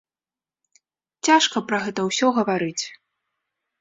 Цяжка пра гэта ўсё гаварыць.